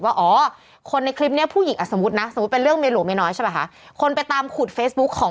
ถ้าเราพิสูจน์ว่าเรามาดูจากเขามาก่อน